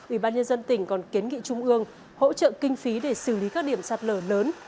ủy ban nhân dân tỉnh còn kiến nghị trung ương hỗ trợ kinh phí để xử lý các điểm sạt lở lớn